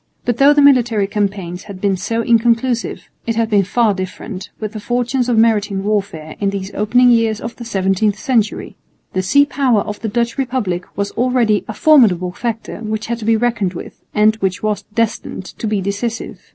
But though the military campaigns had been so inconclusive, it had been far different with the fortunes of maritime warfare in these opening years of the seventeenth century. The sea power of the Dutch republic was already a formidable factor which had to be reckoned with and which was destined to be decisive.